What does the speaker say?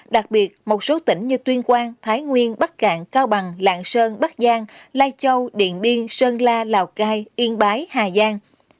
đặc biệt một số tỉnh như tuyên quang thái nguyên bắc cạn cao bằng lạng sơn bắc giang lai châu điện biên sơn la lào cai yên bái hà giang